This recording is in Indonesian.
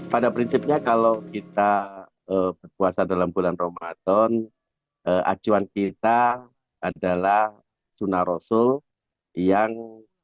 pada prinsipnya kalau kita berpuasa dalam bulan ramadan acuan kita adalah sunnah rasul yang